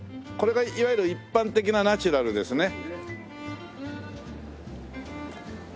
これがいわゆる一般的なナチュラルですね。